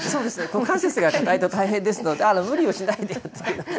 股関節が硬いと大変ですので無理をしないで。